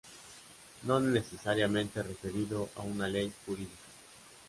No necesariamente referido a una ley jurídica.